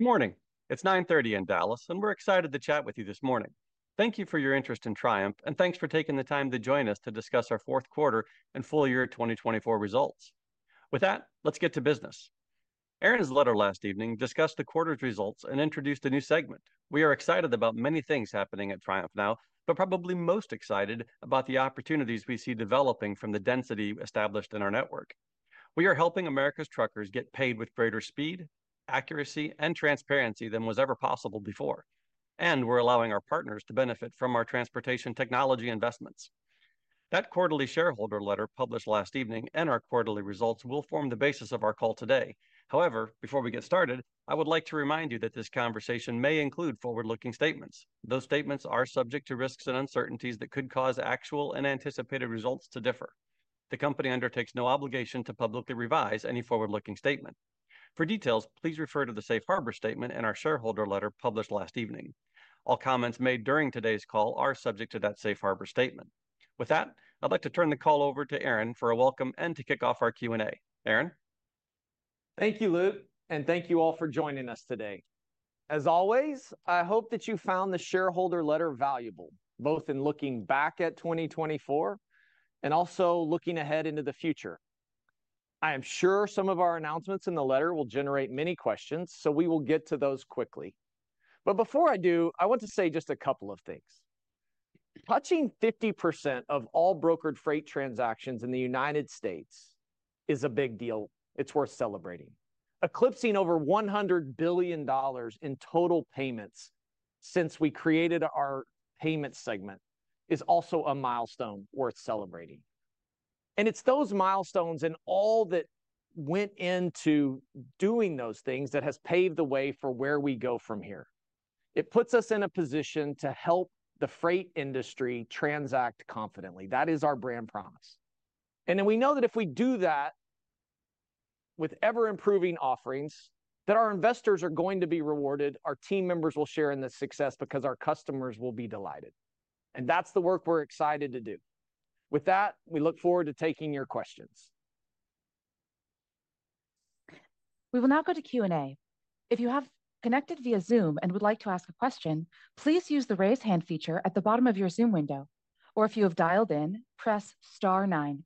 Good morning. It's 9:30 A.M. in Dallas, and we're excited to chat with you this morning. Thank you for your interest in Triumph, and thanks for taking the time to join us to discuss our Fourth Quarter and Full Year 2024 Results. With that, let's get to business. Aaron's letter last evening discussed the quarter's results and introduced a new segment. We are excited about many things happening at Triumph now, but probably most excited about the opportunities we see developing from the density established in our network. We are helping America's truckers get paid with greater speed, accuracy, and transparency than was ever possible before, and we're allowing our partners to benefit from our transportation technology investments. That quarterly shareholder letter published last evening and our quarterly results will form the basis of our call today. However, before we get started, I would like to remind you that this conversation may include forward-looking statements. Those statements are subject to risks and uncertainties that could cause actual and anticipated results to differ. The company undertakes no obligation to publicly revise any forward-looking statement. For details, please refer to the safe harbor statement and our shareholder letter published last evening. All comments made during today's call are subject to that safe harbor statement. With that, I'd like to turn the call over to Aaron for a welcome and to kick off our Q&A. Aaron? Thank you, Luke, and thank you all for joining us today. As always, I hope that you found the shareholder letter valuable, both in looking back at 2024 and also looking ahead into the future. I am sure some of our announcements in the letter will generate many questions, so we will get to those quickly. But before I do, I want to say just a couple of things. Touching 50% of all brokered freight transactions in the United States is a big deal. It's worth celebrating. Eclipsing over $100 billion in total payments since we created our payment segment is also a milestone worth celebrating. And it's those milestones and all that went into doing those things that has paved the way for where we go from here. It puts us in a position to help the freight industry transact confidently. That is our brand promise. And then we know that if we do that with ever-improving offerings, that our investors are going to be rewarded, our team members will share in the success because our customers will be delighted. And that's the work we're excited to do. With that, we look forward to taking your questions. We will now go to Q&A. If you have connected via Zoom and would like to ask a question, please use the raise hand feature at the bottom of your Zoom window. Or if you have dialed in, press star nine.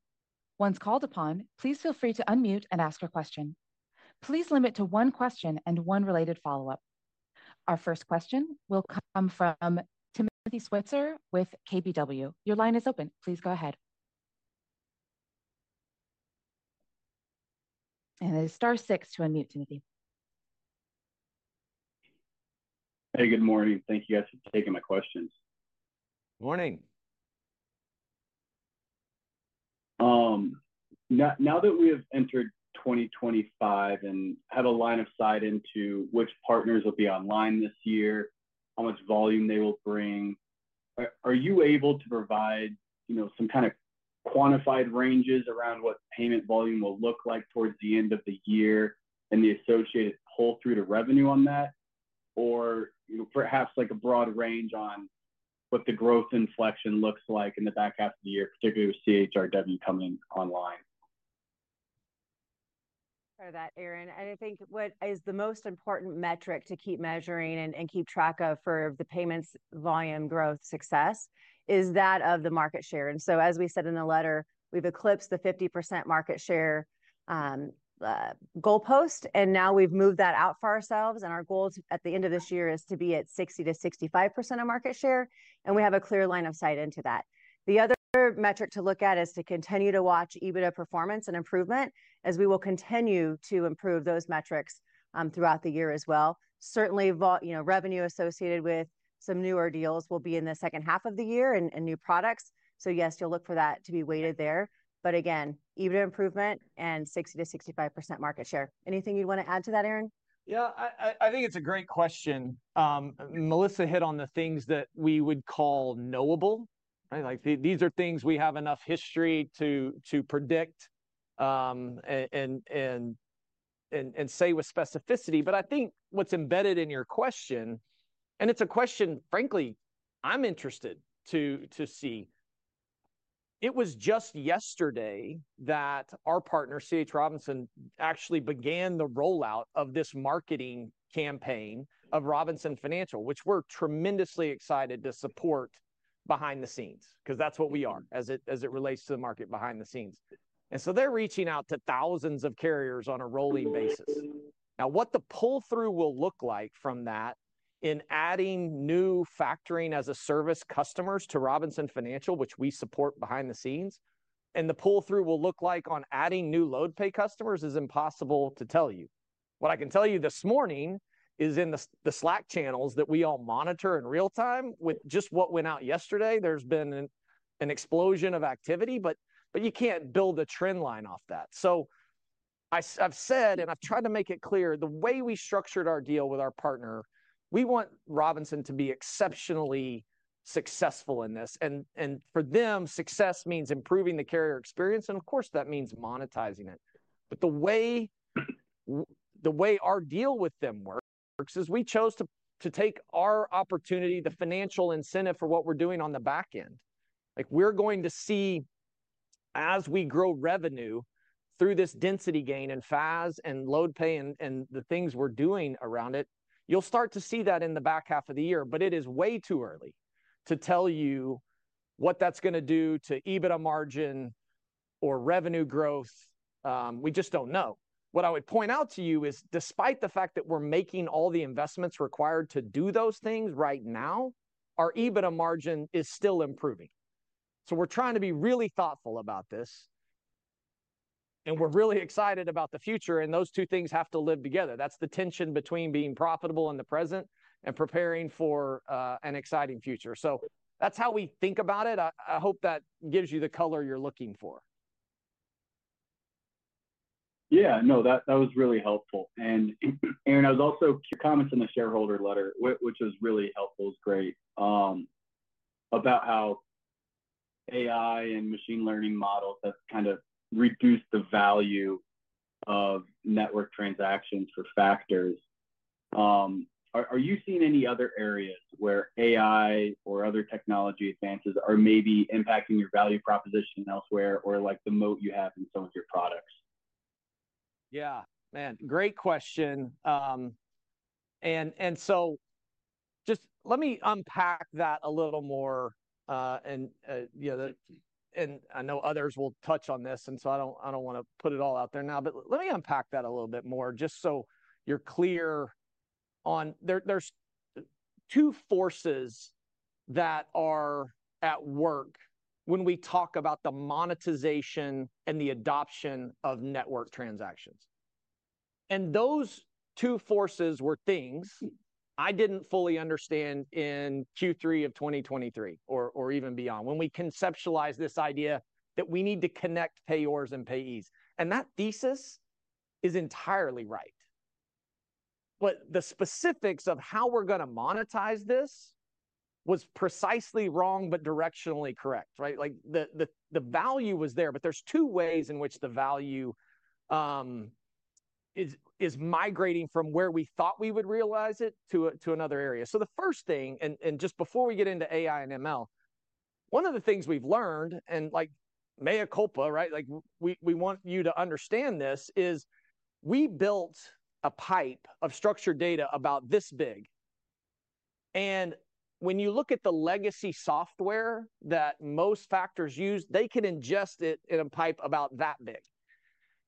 Once called upon, please feel free to unmute and ask a question. Please limit to one question and one related follow-up. Our first question will come from Timothy Switzer with KBW. Your line is open. Please go ahead. And it is star six to unmute, Timothy. Hey, good morning. Thank you guys for taking my questions. Morning. Now that we have entered 2025 and had a line of sight into which partners will be online this year, how much volume they will bring, are you able to provide some kind of quantified ranges around what payment volume will look like towards the end of the year and the associated pull-through to revenue on that? Or perhaps a broad range on what the growth inflection looks like in the back half of the year, particularly with CHRW coming online? For that, Aaron. And I think what is the most important metric to keep measuring and keep track of for the payments volume growth success is that of the market share. And so, as we said in the letter, we've eclipsed the 50% market share goalpost, and now we've moved that out for ourselves. And our goal at the end of this year is to be at 60%-65% of market share, and we have a clear line of sight into that. The other metric to look at is to continue to watch EBITDA performance and improvement as we will continue to improve those metrics throughout the year as well. Certainly, revenue associated with some newer deals will be in the second half of the year and new products. So yes, you'll look for that to be weighted there. But again, EBITDA improvement and 60%-65% market share. Anything you'd want to add to that, Aaron? Yeah, I think it's a great question. Melissa hit on the things that we would call knowable. These are things we have enough history to predict and say with specificity. But I think what's embedded in your question, and it's a question, frankly, I'm interested to see. It was just yesterday that our partner, C.H. Robinson, actually began the rollout of this marketing campaign of Robinson Financial, which we're tremendously excited to support behind the scenes because that's what we are as it relates to the market behind the scenes. And so they're reaching out to thousands of carriers on a rolling basis. Now, what the pull-through will look like from that in adding new Factoring as a Service customers to Robinson Financial, which we support behind the scenes, and the pull-through will look like on adding new LoadPay customers is impossible to tell you. What I can tell you this morning is in the Slack channels that we all monitor in real time with just what went out yesterday, there's been an explosion of activity, but you can't build a trend line off that, so I've said, and I've tried to make it clear, the way we structured our deal with our partner, we want Robinson to be exceptionally successful in this, and for them, success means improving the carrier experience, and of course, that means monetizing it, but the way our deal with them works is we chose to take our opportunity, the financial incentive for what we're doing on the back end. We're going to see, as we grow revenue through this density gain and FAS and LoadPay and the things we're doing around it, you'll start to see that in the back half of the year, but it is way too early to tell you what that's going to do to EBITDA margin or revenue growth. We just don't know. What I would point out to you is, despite the fact that we're making all the investments required to do those things right now, our EBITDA margin is still improving. So we're trying to be really thoughtful about this, and we're really excited about the future, and those two things have to live together. That's the tension between being profitable in the present and preparing for an exciting future. So that's how we think about it. I hope that gives you the color you're looking for. Yeah, no, that was really helpful, and Aaron, I was also curious about your comments in the shareholder letter, which was really helpful. It was great about how AI and machine learning models have kind of reduced the value of network transactions for factors. Are you seeing any other areas where AI or other technology advances are maybe impacting your value proposition elsewhere or the moat you have in some of your products? Yeah, man, great question, and so just let me unpack that a little more. And I know others will touch on this, and so I don't want to put it all out there now, but let me unpack that a little bit more just so you're clear on there's two forces that are at work when we talk about the monetization and the adoption of network transactions, and those two forces were things I didn't fully understand in Q3 of 2023 or even beyond when we conceptualized this idea that we need to connect payors and payees. And that thesis is entirely right, but the specifics of how we're going to monetize this was precisely wrong but directionally correct, right? The value was there, but there's two ways in which the value is migrating from where we thought we would realize it to another area. So the first thing, and just before we get into AI and ML, one of the things we've learned, and like mea culpa, right? We want you to understand this is we built a pipe of structured data about this big. And when you look at the legacy software that most factors use, they can ingest it in a pipe about that big.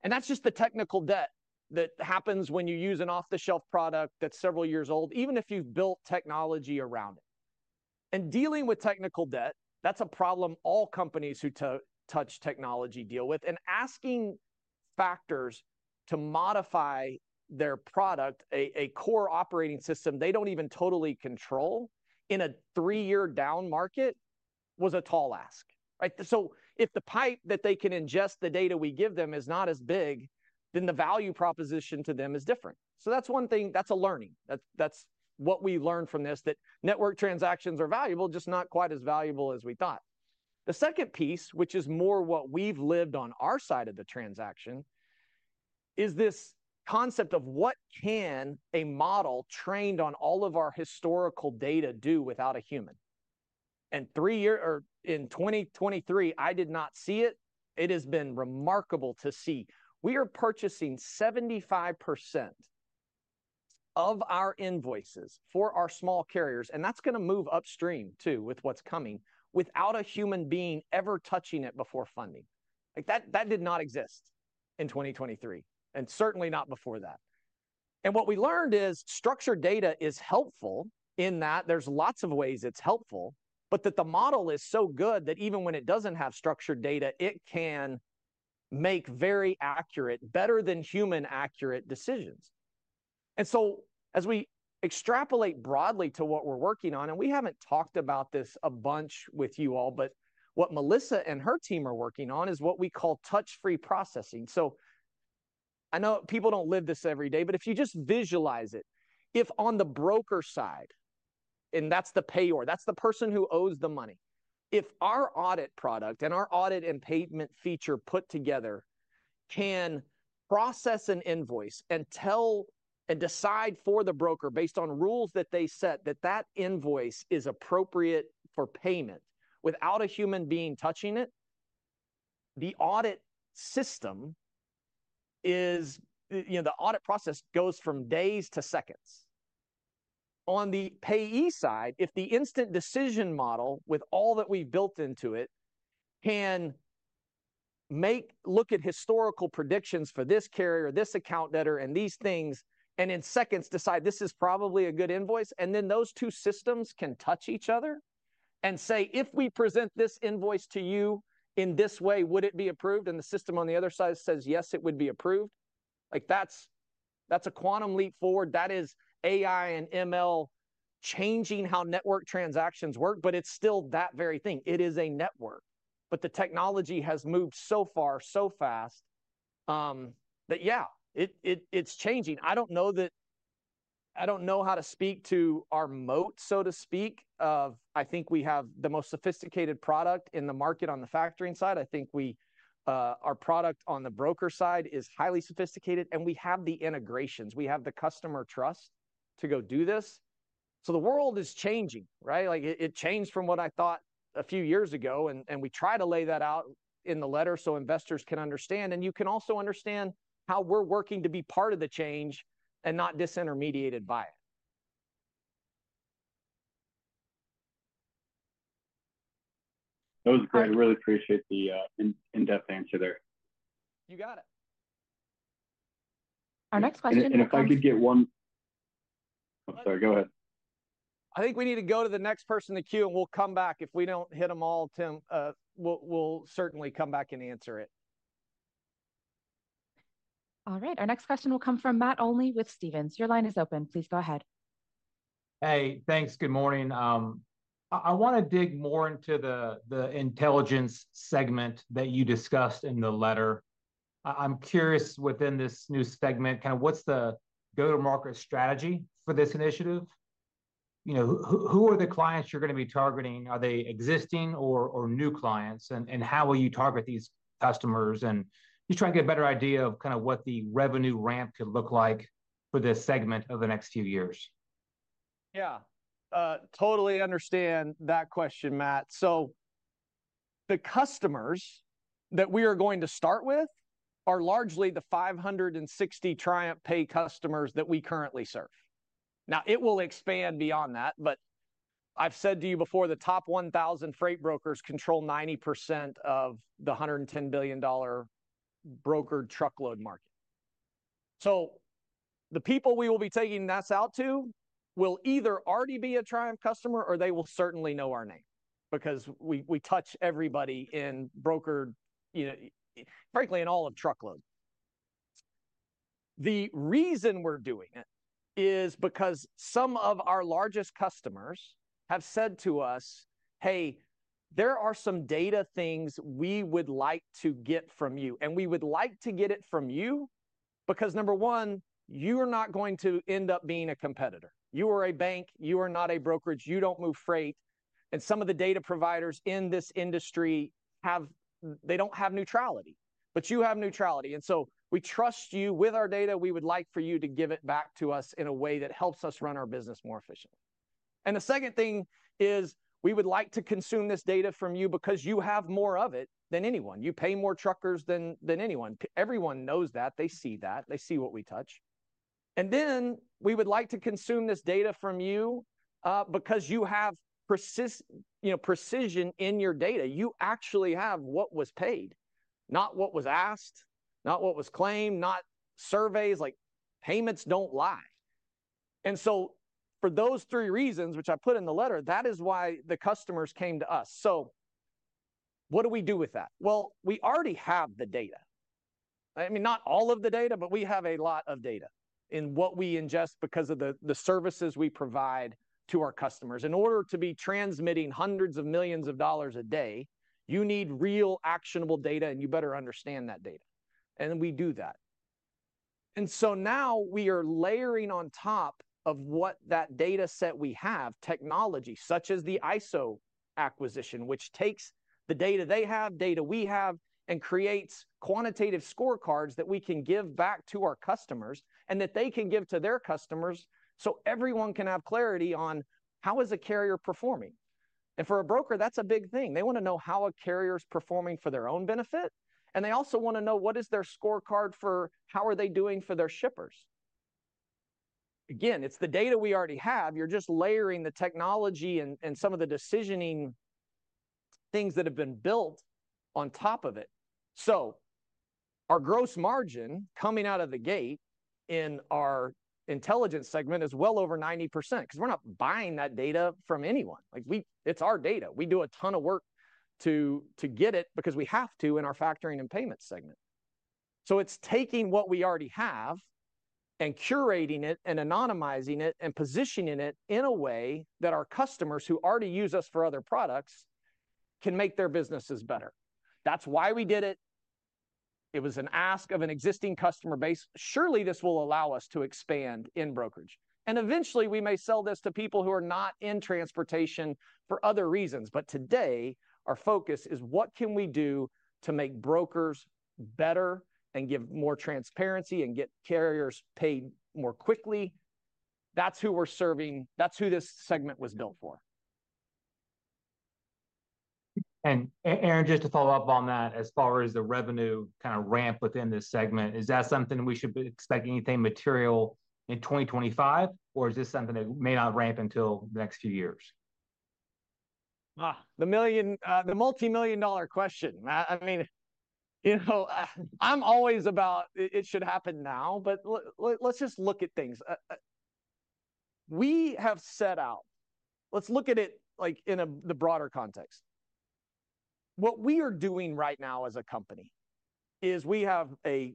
And that's just the technical debt that happens when you use an off-the-shelf product that's several years old, even if you've built technology around it. And dealing with technical debt, that's a problem all companies who touch technology deal with. And asking factors to modify their product, a core operating system they don't even totally control in a three-year down market was a tall ask, right? So if the pipe that they can ingest the data we give them is not as big, then the value proposition to them is different. So that's one thing. That's a learning. That's what we learned from this, that network transactions are valuable, just not quite as valuable as we thought. The second piece, which is more what we've lived on our side of the transaction, is this concept of what can a model trained on all of our historical data do without a human. And in 2023, I did not see it. It has been remarkable to see. We are purchasing 75% of our invoices for our small carriers, and that's going to move upstream too with what's coming without a human being ever touching it before funding. That did not exist in 2023, and certainly not before that. And what we learned is structured data is helpful in that there's lots of ways it's helpful, but that the model is so good that even when it doesn't have structured data, it can make very accurate, better than human accurate decisions. And so as we extrapolate broadly to what we're working on, and we haven't talked about this a bunch with you all, but what Melissa and her team are working on is what we call Touch-free processing. So, I know people don't live this every day, but if you just visualize it, if on the broker side, and that's the payor, that's the person who owes the money, if our audit product and our audit and payment feature put together can process an invoice and tell and decide for the broker based on rules that they set that that invoice is appropriate for payment without a human being touching it, the audit system is the audit process goes from days to seconds. On the payee side, if the instant decision model with all that we've built into it can look at historical predictions for this carrier, this account debtor, and these things, and in seconds decide this is probably a good invoice, and then those two systems can touch each other and say, "If we present this invoice to you in this way, would it be approved?" and the system on the other side says, "Yes, it would be approved." That's a quantum leap forward. That is AI and ML changing how network transactions work, but it's still that very thing. It is a network, but the technology has moved so far, so fast that, yeah, it's changing. I don't know that I don't know how to speak to our moat, so to speak, of I think we have the most sophisticated product in the market on the Factoring side. I think our product on the broker side is highly sophisticated, and we have the integrations. We have the customer trust to go do this. So the world is changing, right? It changed from what I thought a few years ago, and we try to lay that out in the letter so investors can understand, and you can also understand how we're working to be part of the change and not disintermediated by it. That was great. I really appreciate the in-depth answer there. You got it. Our next question. And if I could get one, I'm sorry, go ahead. I think we need to go to the next person in the queue, and we'll come back. If we don't hit them all, Tim, we'll certainly come back and answer it. All right. Our next question will come from Matt Olney with Stephens. Your line is open. Please go ahead. Hey, thanks. Good morning. I want to dig more into the Intelligence segment that you discussed in the letter. I'm curious within this new segment, kind of what's the go-to-market strategy for this initiative? Who are the clients you're going to be targeting? Are they existing or new clients? And how will you target these customers? And just trying to get a better idea of kind of what the revenue ramp could look like for this segment of the next few years. Yeah, totally understand that question, Matt. So the customers that we are going to start with are largely the 560 TriumphPay customers that we currently serve. Now, it will expand beyond that, but I've said to you before, the top 1,000 freight brokers control 90% of the $110 billion brokered truckload market. So the people we will be taking this out to will either already be a Triumph customer, or they will certainly know our name because we touch everybody in brokered, frankly, in all of truckload. The reason we're doing it is because some of our largest customers have said to us, "Hey, there are some data things we would like to get from you, and we would like to get it from you because, number one, you are not going to end up being a competitor. You are a bank. You are not a brokerage. You don't move freight," and some of the data providers in this industry, they don't have neutrality, but you have neutrality. And so we trust you with our data. We would like for you to give it back to us in a way that helps us run our business more efficiently. And the second thing is we would like to consume this data from you because you have more of it than anyone. You pay more truckers than anyone. Everyone knows that. They see that. They see what we touch. And then we would like to consume this data from you because you have precision in your data. You actually have what was paid, not what was asked, not what was claimed, not surveys. Payments don't lie. And so for those three reasons, which I put in the letter, that is why the customers came to us. What do we do with that? Well, we already have the data. I mean, not all of the data, but we have a lot of data in what we ingest because of the services we provide to our customers. In order to be transmitting hundreds of millions of dollars a day, you need real actionable data, and you better understand that data. And we do that. And so now we are layering on top of what that data set we have, technology such as the ISO acquisition, which takes the data they have, data we have, and creates quantitative scorecards that we can give back to our customers and that they can give to their customers so everyone can have clarity on how is a carrier performing. And for a broker, that's a big thing. They want to know how a carrier is performing for their own benefit, and they also want to know what is their scorecard for how are they doing for their shippers. Again, it's the data we already have. You're just layering the technology and some of the decisioning things that have been built on top of it. So our gross margin coming out of the gate in our Intelligence segment is well over 90% because we're not buying that data from anyone. It's our data. We do a ton of work to get it because we have to in our Factoring and payment segment. So it's taking what we already have and curating it and anonymizing it and positioning it in a way that our customers who already use us for other products can make their businesses better. That's why we did it. It was an ask of an existing customer base. Surely this will allow us to expand in brokerage. And eventually, we may sell this to people who are not in transportation for other reasons. But today, our focus is what can we do to make brokers better and give more transparency and get carriers paid more quickly. That's who we're serving. That's who this segment was built for. Aaron, just to follow up on that, as far as the revenue kind of ramp within this segment, is that something we should be expecting anything material in 2025, or is this something that may not ramp until the next few years? The multimillion-dollar question. I mean, I'm always about it should happen now, but let's just look at things. We have set out. Let's look at it in the broader context. What we are doing right now as a company is we have a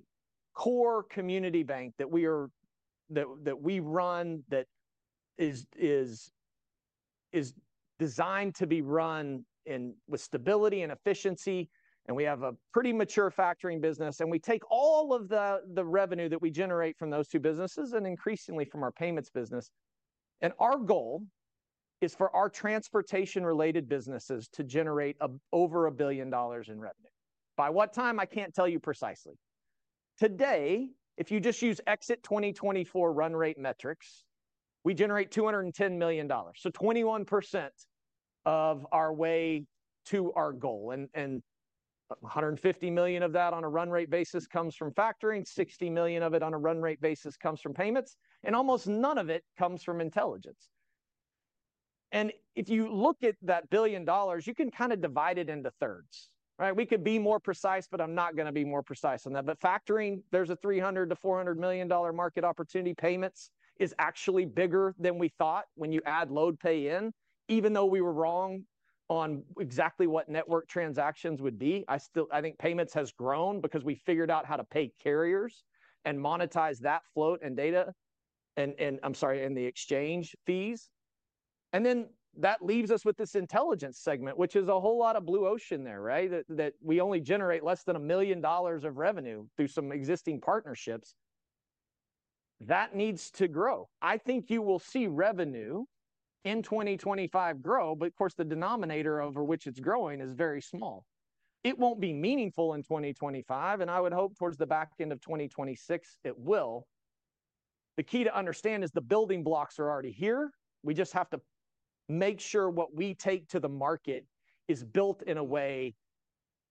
core community bank that we run that is designed to be run with stability and efficiency, and we have a pretty mature Factoring business. We take all of the revenue that we generate from those two businesses and increasingly from our payments business. Our goal is for our transportation-related businesses to generate over $1 billion in revenue. By what time? I can't tell you precisely. Today, if you just use exit 2024 run rate metrics, we generate $210 million. So 21% of our way to our goal. And $150 million of that on a run rate basis comes from Factoring. $60 million of it on a run rate basis comes from payments. And almost none of it comes from intelligence. And if you look at that $1 billion, you can kind of divide it into thirds, right? We could be more precise, but I'm not going to be more precise on that. But Factoring, there's a $300-$400 million market opportunity. Payments is actually bigger than we thought when you add LoadPay in, even though we were wrong on exactly what network transactions would be. I think payments has grown because we figured out how to pay carriers and monetize that float and data, and I'm sorry, and the exchange fees. And then that leaves us with this Intelligence segment, which is a whole lot of blue ocean there, right? That we only generate less than $1 million of revenue through some existing partnerships. That needs to grow. I think you will see revenue in 2025 grow, but of course, the denominator over which it's growing is very small. It won't be meaningful in 2025, and I would hope towards the back end of 2026 it will. The key to understand is the building blocks are already here. We just have to make sure what we take to the market is built in a way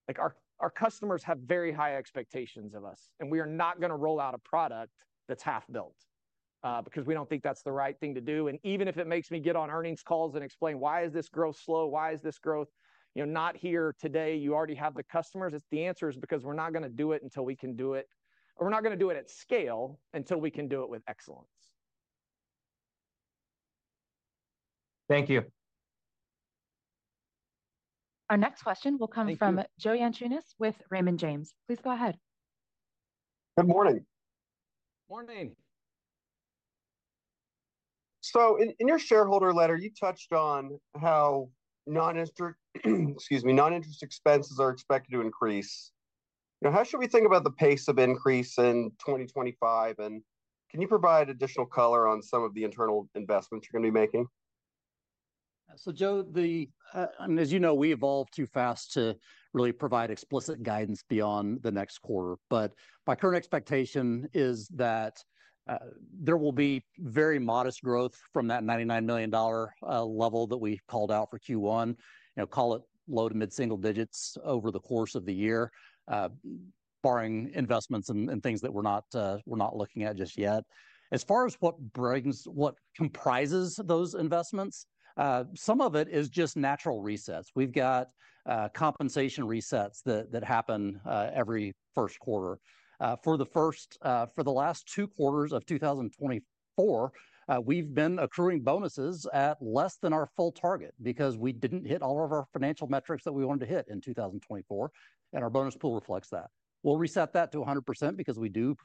like our customers have very high expectations of us, and we are not going to roll out a product that's half built because we don't think that's the right thing to do. And even if it makes me get on earnings calls and explain, "Why is this growth slow? Why is this growth not here today?" You already have the customers. The answer is because we're not going to do it until we can do it, or we're not going to do it at scale until we can do it with excellence. Thank you. Our next question will come from Joe Yanchunis with Raymond James. Please go ahead. Good morning. Morning. So in your shareholder letter, you touched on how non-interest expenses are expected to increase. How should we think about the pace of increase in 2025? And can you provide additional color on some of the internal investments you're going to be making? So Joe, and as you know, we evolve too fast to really provide explicit guidance beyond the next quarter. But my current expectation is that there will be very modest growth from that $99 million level that we called out for Q1. Call it low to mid-single digits over the course of the year, barring investments and things that we're not looking at just yet. As far as what comprises those investments, some of it is just natural resets. We've got compensation resets that happen every first quarter. For the last two quarters of 2024, we've been accruing bonuses at less than our full target because we didn't hit all of our financial metrics that we wanted to hit in 2024, and our bonus pool reflects that. We'll reset that to 100% because we do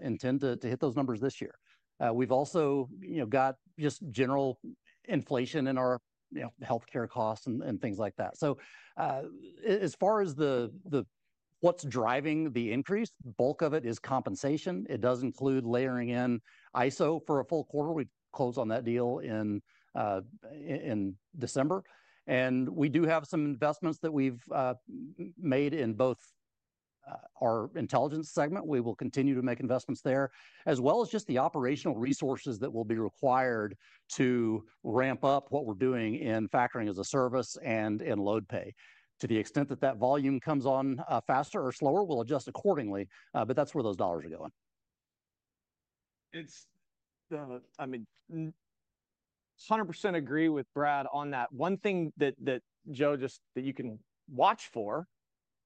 intend to hit those numbers this year. We've also got just general inflation in our healthcare costs and things like that. So as far as what's driving the increase, the bulk of it is compensation. It does include layering in ISO for a full quarter. We closed on that deal in December. And we do have some investments that we've made in both our Intelligence segment. We will continue to make investments there, as well as just the operational resources that will be required to ramp up what we're doing in Factoring as a Service and in LoadPay. To the extent that that volume comes on faster or slower, we'll adjust accordingly, but that's where those dollars are going. I mean, 100% agree with Brad on that. One thing that, Joe, just that you can watch for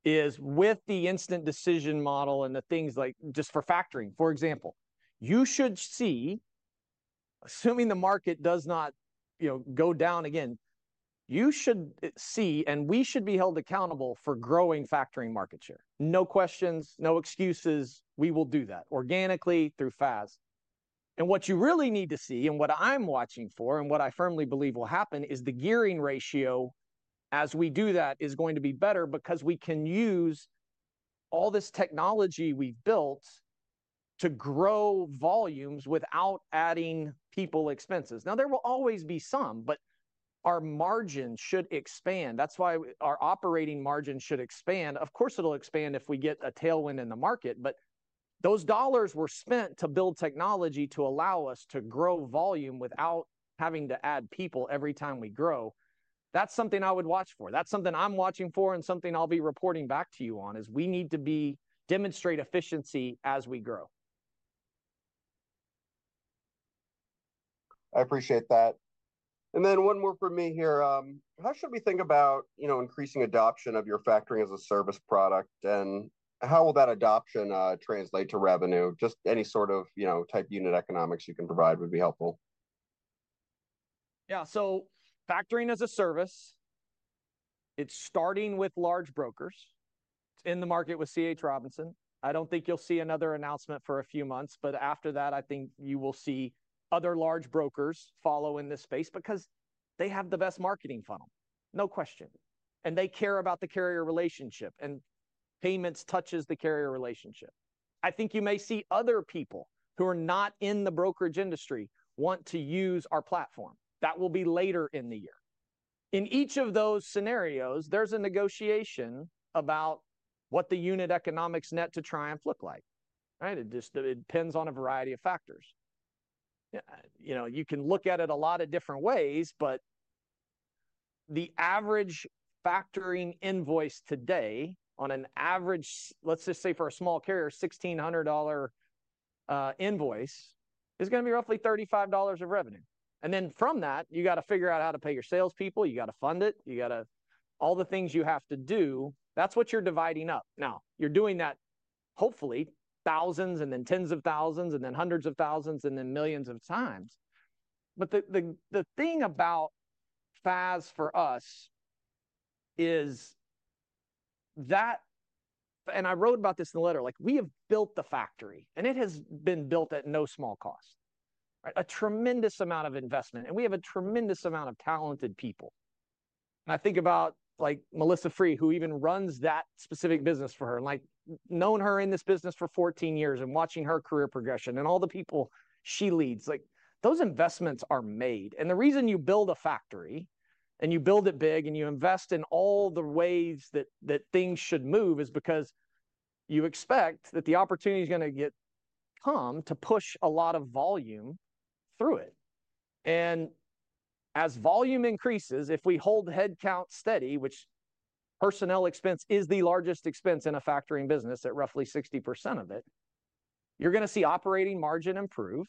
is with the instant decision model and the things like just for Factoring, for example, you should see, assuming the market does not go down again, you should see, and we should be held accountable for growing Factoring market share. No questions, no excuses. We will do that organically through FAS. And what you really need to see, and what I'm watching for, and what I firmly believe will happen is the gearing ratio as we do that is going to be better because we can use all this technology we've built to grow volumes without adding people expenses. Now, there will always be some, but our margin should expand. That's why our operating margin should expand. Of course, it'll expand if we get a tailwind in the market, but those dollars were spent to build technology to allow us to grow volume without having to add people every time we grow. That's something I would watch for. That's something I'm watching for and something I'll be reporting back to you on is we need to demonstrate efficiency as we grow. I appreciate that, and then one more for me here. How should we think about increasing adoption of your Factoring as a Service product, and how will that adoption translate to revenue? Just any sort of type unit economics you can provide would be helpful. Yeah. So Factoring as a Service, it's starting with large brokers. It's in the market with C.H. Robinson. I don't think you'll see another announcement for a few months, but after that, I think you will see other large brokers follow in this space because they have the best marketing funnel. No question. And they care about the carrier relationship, and payments touches the carrier relationship. I think you may see other people who are not in the brokerage industry want to use our platform. That will be later in the year. In each of those scenarios, there's a negotiation about what the unit economics net to Triumph look like. It depends on a variety of factors. You can look at it a lot of different ways, but the average Factoring invoice today on an average, let's just say for a small carrier, $1,600 invoice is going to be roughly $35 of revenue. And then from that, you got to figure out how to pay your salespeople. You got to fund it. You got to all the things you have to do. That's what you're dividing up. Now, you're doing that hopefully thousands and then tens of thousands and then hundreds of thousands and then millions of times. But the thing about FAS for us is that, and I wrote about this in the letter, we have built the factory, and it has been built at no small cost. A tremendous amount of investment, and we have a tremendous amount of talented people. I think about Melissa Forman, who even runs that specific business for her, and I've known her in this business for 14 years and watching her career progression and all the people she leads. Those investments are made. The reason you build a factory and you build it big and you invest in all the ways that things should move is because you expect that the opportunity is going to come to push a lot of volume through it. As volume increases, if we hold headcount steady, which personnel expense is the largest expense in a Factoring business at roughly 60% of it, you're going to see operating margin improve,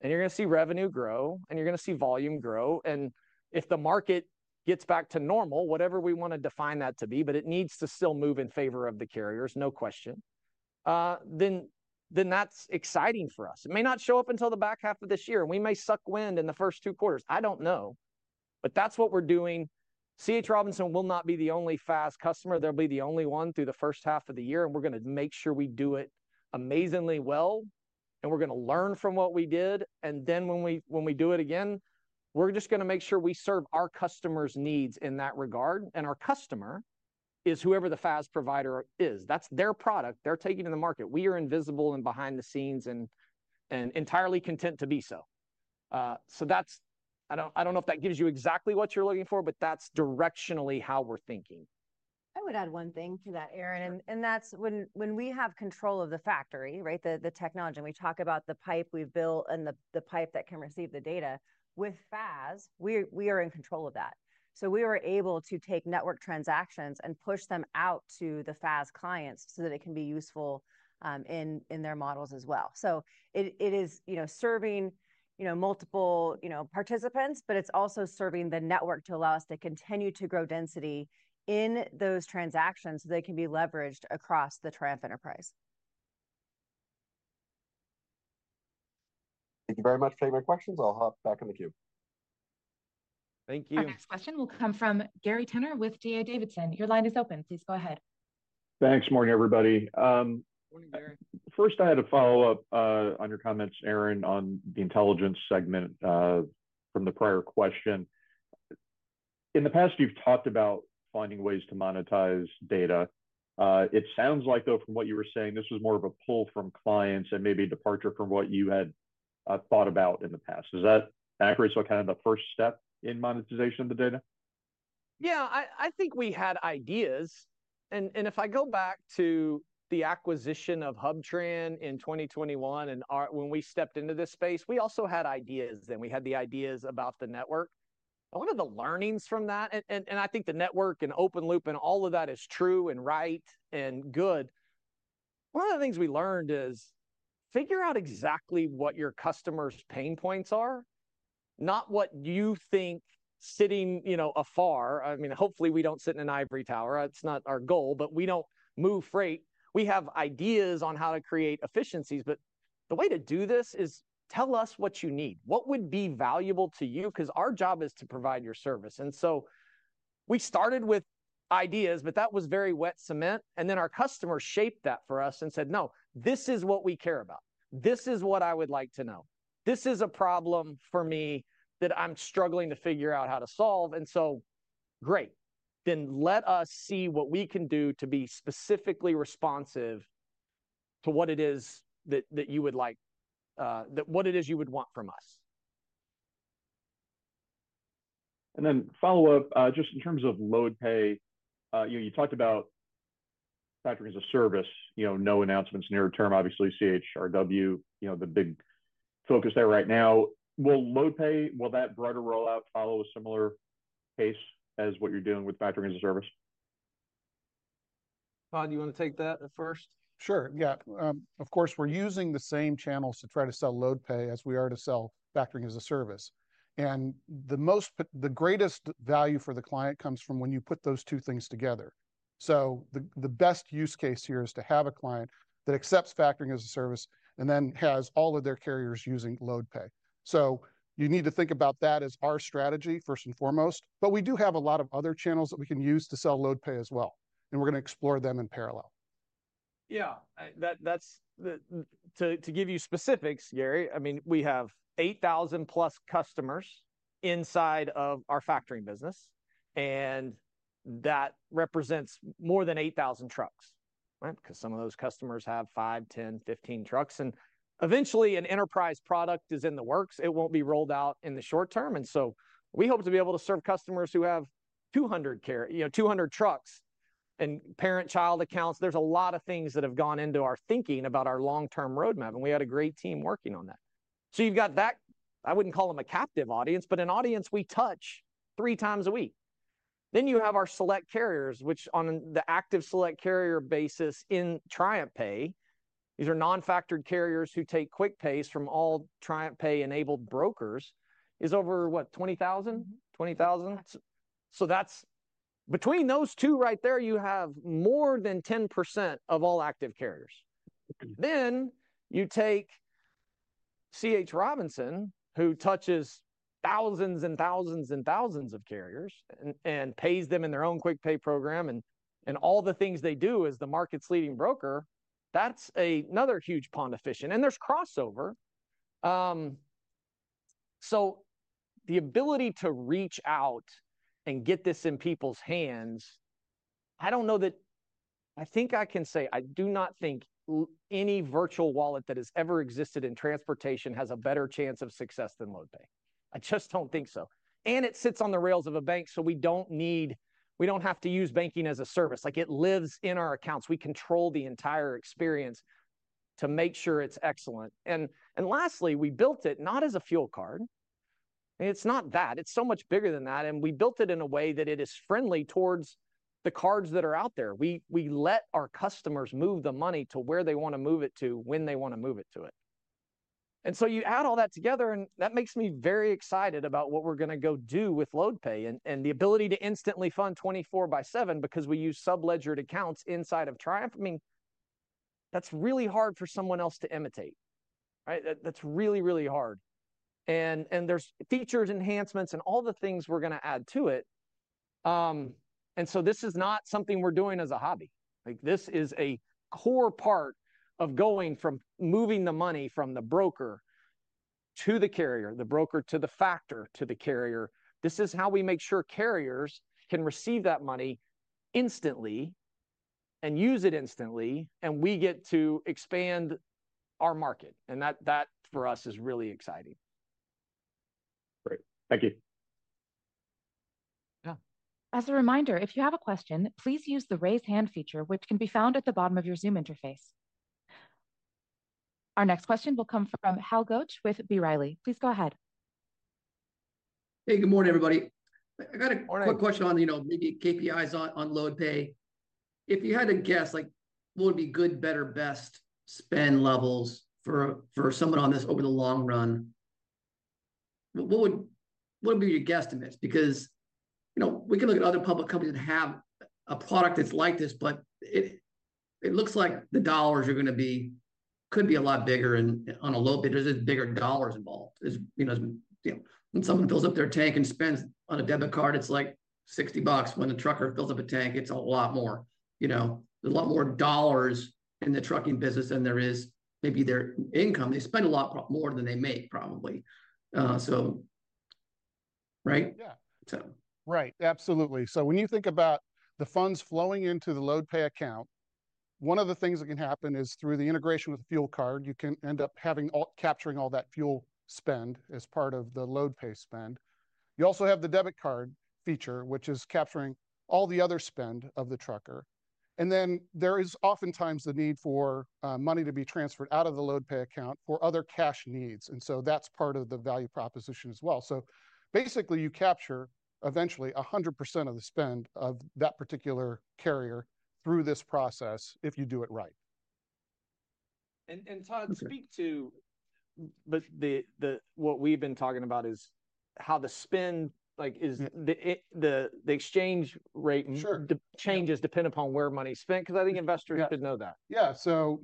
and you're going to see revenue grow, and you're going to see volume grow. And if the market gets back to normal, whatever we want to define that to be, but it needs to still move in favor of the carriers, no question, then that's exciting for us. It may not show up until the back half of this year. We may suck wind in the first two quarters. I don't know, but that's what we're doing. C.H. Robinson will not be the only FAS customer. They'll be the only one through the first half of the year, and we're going to make sure we do it amazingly well, and we're going to learn from what we did. And then when we do it again, we're just going to make sure we serve our customer's needs in that regard. And our customer is whoever the FAS provider is. That's their product. They're taking it to the market. We are invisible and behind the scenes and entirely content to be so, so I don't know if that gives you exactly what you're looking for, but that's directionally how we're thinking. I would add one thing to that, Aaron. When we have control of the Factoring, the technology, and we talk about the pipe we've built and the pipe that can receive the data, with FAS, we are in control of that. We were able to take network transactions and push them out to the FAS clients so that it can be useful in their models as well. It is serving multiple participants, but it's also serving the network to allow us to continue to grow density in those transactions so they can be leveraged across the Triumph enterprise. Thank you very much for taking my questions. I'll hop back in the queue. Thank you. Next question will come from Gary Tenner with D.A. Davidson. Your line is open. Please go ahead. Thanks. Morning, everybody. First, I had a follow-up on your comments, Aaron, on the Intelligence segment from the prior question. In the past, you've talked about finding ways to monetize data. It sounds like, though, from what you were saying, this was more of a pull from clients and maybe a departure from what you had thought about in the past. Is that accurate? So kind of the first step in monetization of the data? Yeah. I think we had ideas. And if I go back to the acquisition of HubTran in 2021 and when we stepped into this space, we also had ideas. And we had the ideas about the network. One of the learnings from that, and I think the network and OpenLoop and all of that is true and right and good, one of the things we learned is figure out exactly what your customer's pain points are, not what you think sitting afar. I mean, hopefully, we don't sit in an ivory tower. That's not our goal, but we don't move freight. We have ideas on how to create efficiencies, but the way to do this is tell us what you need. What would be valuable to you? Because our job is to provide your service. And so we started with ideas, but that was very wet cement. And then our customer shaped that for us and said, "No, this is what we care about. This is what I would like to know. This is a problem for me that I'm struggling to figure out how to solve." And so, great. Then let us see what we can do to be specifically responsive to what it is that you would like, what it is you would want from us. And then follow-up, just in terms of LoadPay. You talked about Factoring as a Service, no announcements nearer term, obviously, CHRW. The big focus there right now. Will LoadPay, will that broader rollout follow a similar pace as what you're doing with Factoring as a Service? Todd, do you want to take that first? Sure. Yeah. Of course, we're using the same channels to try to sell LoadPay as we are to sell Factoring as a Service. And the greatest value for the client comes from when you put those two things together. So the best use case here is to have a client that accepts Factoring as a Service and then has all of their carriers using LoadPay. So you need to think about that as our strategy, first and foremost. But we do have a lot of other channels that we can use to sell LoadPay as well. And we're going to explore them in parallel. Yeah. To give you specifics, Gary, I mean, we have 8,000-plus customers inside of our Factoring business, and that represents more than 8,000 trucks. Because some of those customers have 5, 10, 15 trucks. And eventually, an enterprise product is in the works. It won't be rolled out in the short term. And so we hope to be able to serve customers who have 200 trucks and parent-child accounts. There's a lot of things that have gone into our thinking about our long-term roadmap, and we had a great team working on that. So you've got that. I wouldn't call them a captive audience, but an audience we touch three times a week. Then you have our select carriers, which on the active select carrier basis in TriumphPay, these are non-factored carriers who take QuickPays from all TriumphPay-enabled brokers, is over, what, 20,000? 20,000? So between those two right there, you have more than 10% of all active carriers. Then you take C.H. Robinson, who touches thousands and thousands and thousands of carriers and pays them in their own QuickPay program, and all the things they do as the market's leading broker. That's another huge pond of fish. And there's crossover. So the ability to reach out and get this in people's hands, I don't know that I think I can say I do not think any virtual wallet that has ever existed in transportation has a better chance of success than LoadPay. I just don't think so. And it sits on the rails of a bank, so we don't need we don't have to use banking as a service. It lives in our accounts. We control the entire experience to make sure it's excellent. And lastly, we built it not as a fuel card. It's not that. It's so much bigger than that. And we built it in a way that it is friendly towards the cards that are out there. We let our customers move the money to where they want to move it to when they want to move it to it. And so you add all that together, and that makes me very excited about what we're going to go do with LoadPay and the ability to instantly fund 24 by 7 because we use subledgered accounts inside of Triumph. I mean, that's really hard for someone else to imitate. That's really, really hard. And there's features, enhancements, and all the things we're going to add to it. And so this is not something we're doing as a hobby. This is a core part of going from moving the money from the broker to the carrier, the broker to the factor to the carrier. This is how we make sure carriers can receive that money instantly and use it instantly, and we get to expand our market. And that, for us, is really exciting. Great. Thank you. As a reminder, if you have a question, please use the raise hand feature, which can be found at the bottom of your Zoom interface. Our next question will come from Hal Goetsch with B. Riley. Please go ahead. Hey, good morning, everybody. I got a quick question on maybe KPIs on LoadPay. If you had to guess, what would be good, better, best spend levels for someone on this over the long run? What would be your guesstimates? Because we can look at other public companies that have a product that's like this, but it looks like the dollars are going to be could be a lot bigger on a LoadPay. There's just bigger dollars involved. When someone fills up their tank and spends on a debit card, it's like $60. When the trucker fills up a tank, it's a lot more. There's a lot more dollars in the trucking business than there is maybe their income. They spend a lot more than they make, probably. Right? Yeah. Right. Absolutely. So when you think about the funds flowing into the LoadPay account, one of the things that can happen is through the integration with the fuel card, you can end up capturing all that fuel spend as part of the LoadPay spend. You also have the debit card feature, which is capturing all the other spend of the trucker. And then there is oftentimes the need for money to be transferred out of the LoadPay account for other cash needs. And so that's part of the value proposition as well. So basically, you capture eventually 100% of the spend of that particular carrier through this process if you do it right. Todd, speak to what we've been talking about is how the spend, the exchange rate changes depending upon where money's spent. Because I think investors should know that. Yeah. So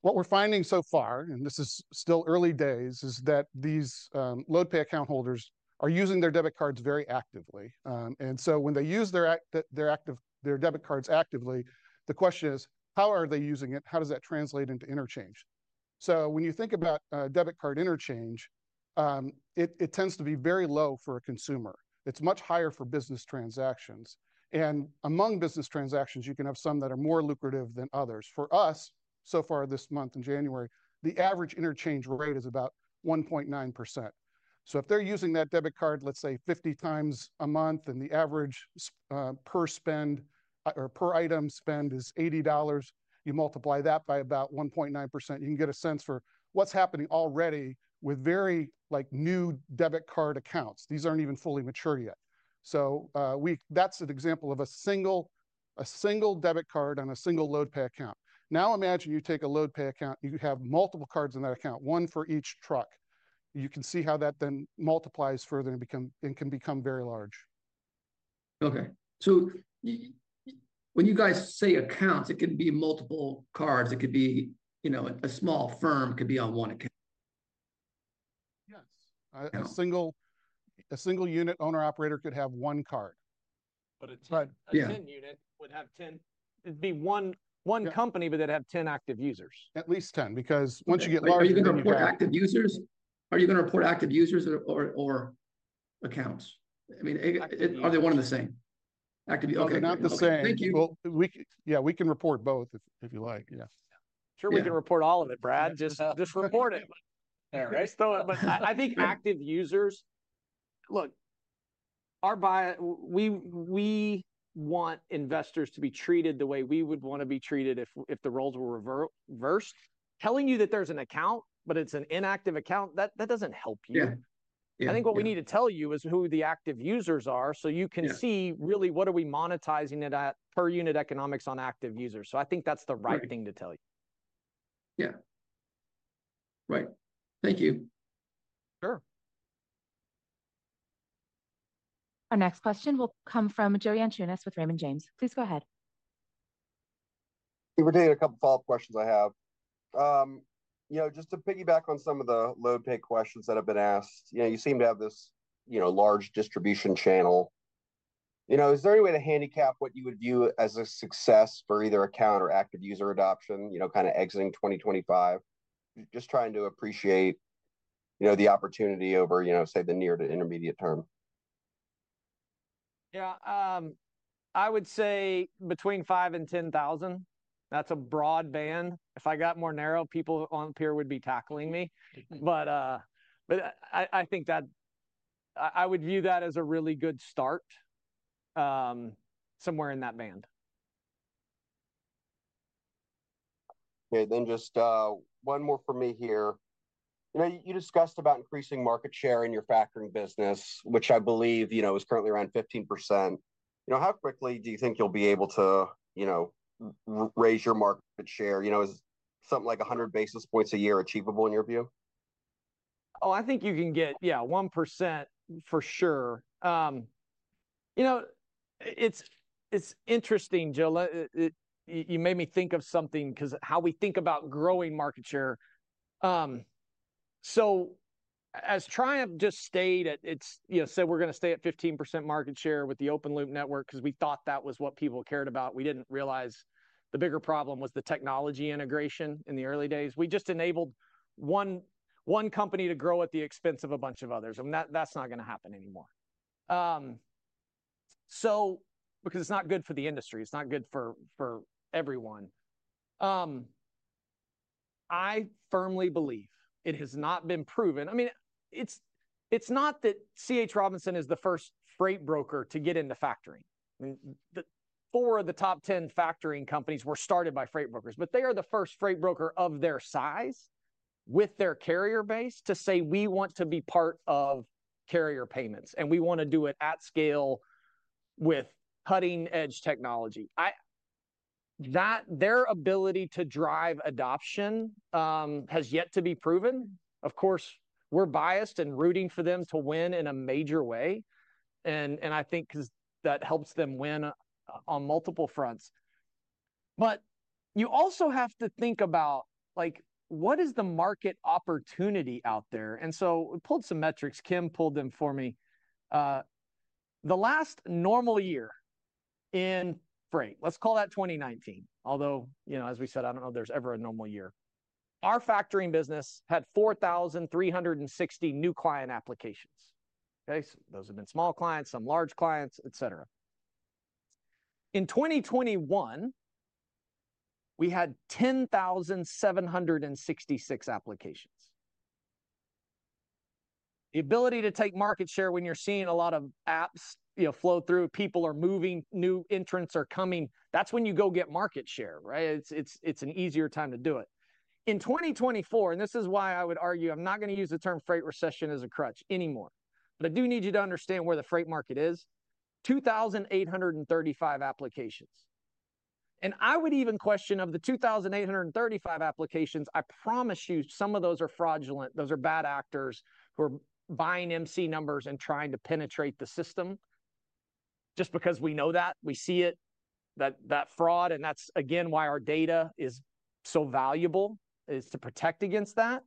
what we're finding so far, and this is still early days, is that these LoadPay account holders are using their debit cards very actively, and so when they use their debit cards actively, the question is, how are they using it? How does that translate into interchange? So when you think about debit card interchange, it tends to be very low for a consumer. It's much higher for business transactions, and among business transactions, you can have some that are more lucrative than others. For us, so far this month in January, the average interchange rate is about 1.9%. So if they're using that debit card, let's say, 50 times a month, and the average per item spend is $80, you multiply that by about 1.9%, you can get a sense for what's happening already with very new debit card accounts. These aren't even fully mature yet. So that's an example of a single debit card on a single LoadPay account. Now imagine you take a LoadPay account, you have multiple cards in that account, one for each truck. You can see how that then multiplies further and can become very large. Okay. So when you guys say accounts, it can be multiple cards. It could be a small firm on one account. Yes. A single unit owner-operator could have one card. But a 10-unit would have 10. It'd be one company, but they'd have 10 active users. At least 10. Because once you get larger. Are you going to report active users? Are you going to report active users or accounts? I mean, are they one and the same? They're not the same. Yeah, we can report both if you like. Sure, we can report all of it, Brad. Just report it. I think active users, look, we want investors to be treated the way we would want to be treated if the roles were reversed. Telling you that there's an account, but it's an inactive account, that doesn't help you. I think what we need to tell you is who the active users are so you can see really what are we monetizing it at per unit economics on active users. So I think that's the right thing to tell you. Yeah. Right. Thank you. Sure. Our next question will come from Joe Yanchunis with Raymond James. Please go ahead. We're taking a couple of follow-up questions I have. Just to piggyback on some of the LoadPay questions that have been asked, you seem to have this large distribution channel. Is there any way to handicap what you would view as a success for either account or active user adoption, kind of exiting 2025? Just trying to appreciate the opportunity over, say, the near to intermediate term. Yeah. I would say between 5,000 and 10,000. That's a broad band. If I got more narrow, people on here would be tackling me. But I think that I would view that as a really good start somewhere in that band. Okay. Then just one more for me here. You discussed about increasing market share in your Factoring business, which I believe is currently around 15%. How quickly do you think you'll be able to raise your market share? Is something like 100 basis points a year achievable in your view? Oh, I think you can get, yeah, 1% for sure. It's interesting, Joe. You made me think of something because how we think about growing market share. So, as Triumph just said, we're going to stay at 15% market share with the OpenLoop network because we thought that was what people cared about. We didn't realize the bigger problem was the technology integration in the early days. We just enabled one company to grow at the expense of a bunch of others. And that's not going to happen anymore. Because it's not good for the industry. It's not good for everyone. I firmly believe it has not been proven. I mean, it's not that C.H. Robinson is the first freight broker to get into Factoring. Four of the top 10 Factoring companies were started by freight brokers. But they are the first freight broker of their size with their carrier base to say, "We want to be part of carrier payments, and we want to do it at scale with cutting-edge technology." Their ability to drive adoption has yet to be proven. Of course, we're biased and rooting for them to win in a major way. And I think that helps them win on multiple fronts. But you also have to think about, what is the market opportunity out there? And so we pulled some metrics. Kim pulled them for me. The last normal year in, let's call that 2019, although, as we said, I don't know if there's ever a normal year. Our Factoring business had 4,360 new client applications. Those have been small clients, some large clients, etc. In 2021, we had 10,766 applications. The ability to take market share when you're seeing a lot of apps flow through, people are moving, new entrants are coming, that's when you go get market share. It's an easier time to do it. In 2024, and this is why I would argue I'm not going to use the term freight recession as a crutch anymore, but I do need you to understand where the freight market is: 2,835 applications, and I would even question of the 2,835 applications, I promise you some of those are fraudulent. Those are bad actors who are buying MC numbers and trying to penetrate the system. Just because we know that, we see it, that fraud, and that's, again, why our data is so valuable, is to protect against that.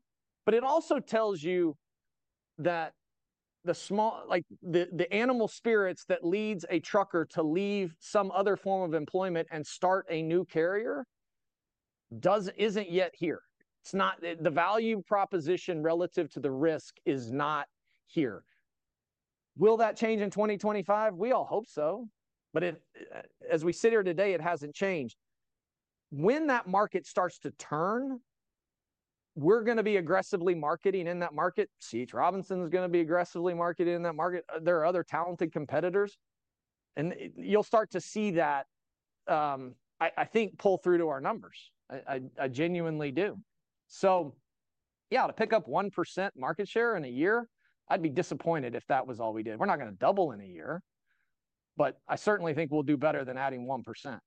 But it also tells you that the animal spirits that leads a trucker to leave some other form of employment and start a new carrier isn't yet here. The value proposition relative to the risk is not here. Will that change in 2025? We all hope so. But as we sit here today, it hasn't changed. When that market starts to turn, we're going to be aggressively marketing in that market. C.H. Robinson is going to be aggressively marketing in that market. There are other talented competitors, and you'll start to see that, I think, pull through to our numbers. I genuinely do, so yeah, to pick up 1% market share in a year, I'd be disappointed if that was all we did. We're not going to double in a year, but I certainly think we'll do better than adding 1%.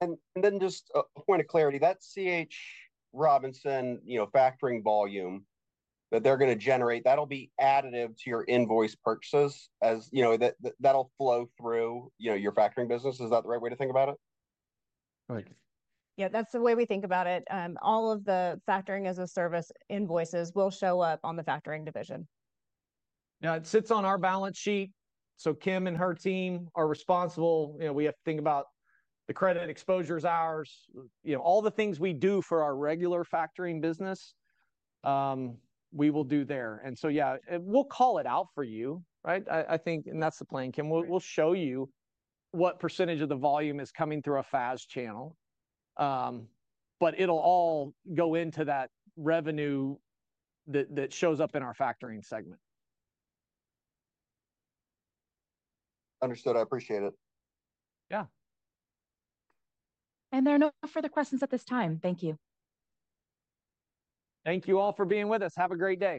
And then just a point of clarity, that C.H. Robinson Factoring volume that they're going to generate, that'll be additive to your invoice purchases as that'll flow through your Factoring business. Is that the right way to think about it? Yeah, that's the way we think about it. All of the Factoring as a Service invoices will show up on the Factoring division. Yeah, it sits on our balance sheet. So Kim and her team are responsible. We have to think about the credit exposures, ours. All the things we do for our regular Factoring business, we will do there. And so yeah, we'll call it out for you. And that's the plan, Kim. We'll show you what percentage of the volume is coming through a FAS channel. But it'll all go into that revenue that shows up in our Factoring segment. Understood. I appreciate it. Yeah. There are no further questions at this time. Thank you. Thank you all for being with us. Have a great day.